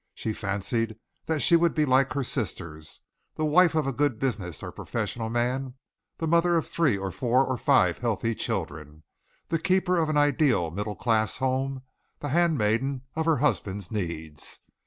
She fancied that she would be like her sisters, the wife of a good business or professional man; the mother of three or four or five healthy children; the keeper of an ideal middle class home; the handmaiden of her husband's needs.